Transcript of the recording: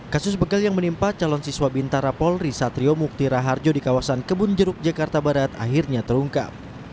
kasus begal yang menimpa calon siswa bintara polri satrio mukti raharjo di kawasan kebun jeruk jakarta barat akhirnya terungkap